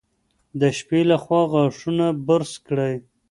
د شپې لخوا غاښونه برس کړئ.